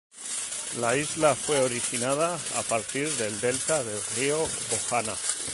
La isla fue originada a partir del delta del Río Bojana.